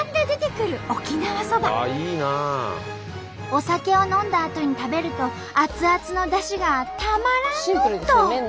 お酒を飲んだあとに食べると熱々のだしがたまらんのんと！